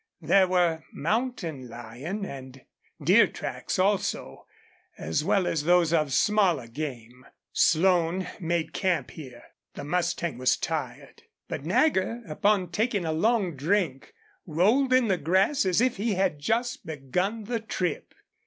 There were mountain lion and deer tracks also, as well as those of smaller game. Slone made camp here. The mustang was tired. But Nagger, upon taking a long drink, rolled in the grass as if he had just begun the trip.